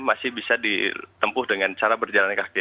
masih bisa ditempuh dengan cara berjalan kaki